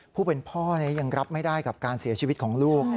ผู้เป็นพ่อยังรับไม่ได้กับการเสียชีวิตของลูก